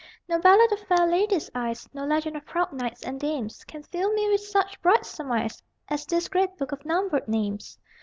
No ballad of fair ladies' eyes, No legend of proud knights and dames, Can fill me with such bright surmise As this great book of numbered names!